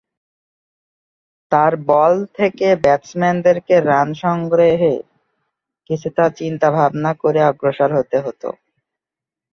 তার বল থেকে ব্যাটসম্যানদেরকে রান সংগ্রহে কিছুটা চিন্তা-ভাবনা করে অগ্রসর হতে হতো।